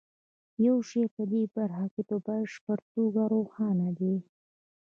یو شی په دې برخه کې په بشپړه توګه روښانه دی